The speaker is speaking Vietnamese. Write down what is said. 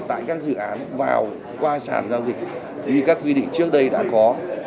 tại các dự án vào qua sản giao dịch như các quy định trước đây đã có